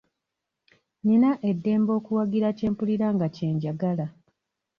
Nina eddembe okuwagira kye mpulira nga kye njagala.